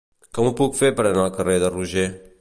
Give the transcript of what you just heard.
Com ho puc fer per anar al carrer de Roger?